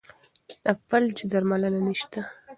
د فلج درملنه نشته.